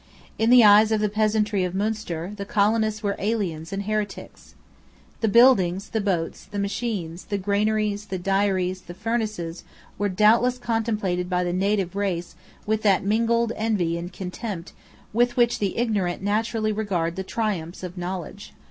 In the eyes of the peasantry of Munster the colonists were aliens and heretics. The buildings, the boats, the machines, the granaries, the dairies, the furnaces, were doubtless contemplated by the native race with that mingled envy and contempt with which the ignorant naturally regard the triumphs of knowledge.